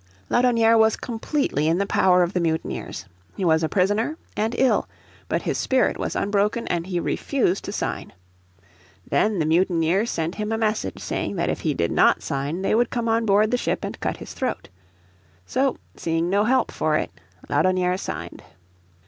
Laudonnière was completely in the power of the mutineers. He was a prisoner and ill, but his spirit was unbroken, and he refused to sign. Then the mutineers sent him a message saying that if he did not sign they would come on board the ship and cut his throat. So, seeing no help for it, Laudonnière signed.